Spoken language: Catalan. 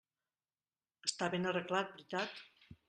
Està ben arreglat, veritat?